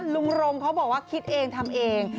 รมเขาบอกว่าคิดเองทำเอง